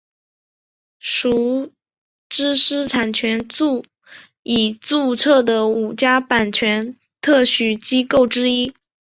属知识产权署已注册的五家版权特许机构之一。